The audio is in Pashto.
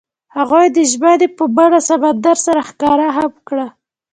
هغوی د ژمنې په بڼه سمندر سره ښکاره هم کړه.